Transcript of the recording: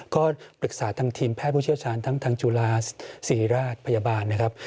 ก็ปรึกษาทางทีมแพทย์ผู้เชี่ยวชาญทั้งทางจุฬาศรีราชพยาบาลนะครับ